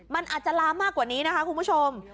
มันอาจจะล้ามมากกว่านี้นะคะคุณผู้ชม